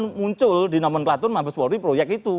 dan muncul di nomor klatur mabeswori proyek itu